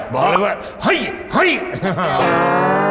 บอกเลยว่าเฮ้ยเฮ้ย